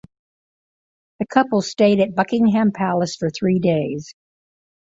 The couple stayed at Buckingham Palace for three days.